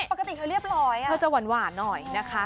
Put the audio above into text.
ปกติเธอเรียบร้อยเธอจะหวานหน่อยนะคะ